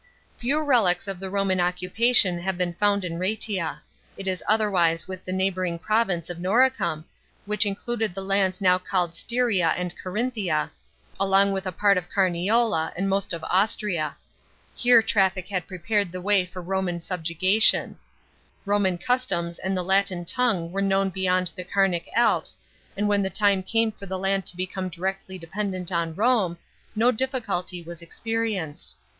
Few relics of the Roman occupation have been found in Raetia ; it is otherwise wita the neighbouring province of Noricum, which included the lands now called Styria and Carimhia, along; with a part of Carniola and most of Austria. Here traffic had prepared the way for Roman subjugation ; Roman customs and the Latin tongue were known beyond the Carnic Alps, and when the time came for the land to become directly dependent on Rome, no difficulty was experienced.